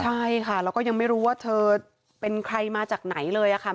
ใช่ค่ะแล้วก็ยังไม่รู้ว่าเธอเป็นใครมาจากไหนเลยค่ะ